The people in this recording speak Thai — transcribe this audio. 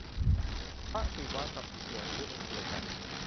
พระศิวะกับพระอิศวรคือองค์เดียวกัน